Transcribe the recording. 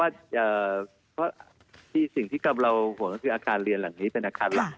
วันนี้ครับเพราะว่าสิ่งที่กลับเราหวังคืออาคารเรียนหลังนี้เป็นอาคารหลัก